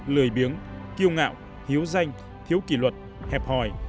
lời biếng kiêu ngạo hiếu danh thiếu kỷ luật hẹp hòi